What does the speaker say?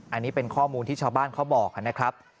อันนี้เป็นข้อมูลที่ชาวบ้านเขาบอกนะครับ